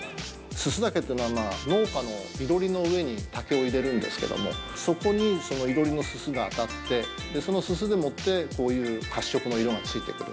◆すす竹というのは農家のいろりの上に竹を入れるんですけどもそこに、いろりのすすが当たってそのすすでもってこういう褐色の色がついてくる。